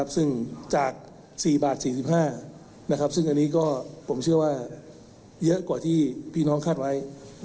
ซึ่งจาก๔บาท๔๕ซึ่งอันนี้ก็ผมเชื่อว่าเยอะกว่าที่พี่น้องคาดไว้